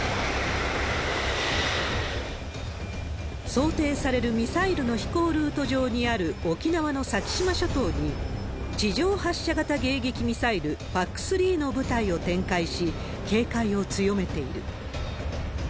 想定されるミサイルの飛行ルート上にある沖縄の先島諸島に、地上発射型迎撃ミサイル、ＰＡＣ３の部隊を展開し、警戒を強めている。